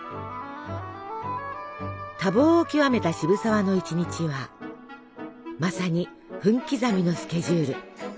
多忙を極めた渋沢の１日はまさに分刻みのスケジュール。